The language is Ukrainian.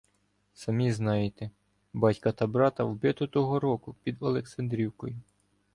Самі знаєте: батька та брата вбито того року під Олександрівкою.